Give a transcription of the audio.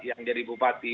yang jadi bupati